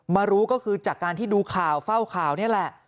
รู้ก็คือจากการที่ดูข่าวเฝ้าข่าวนี่แหละ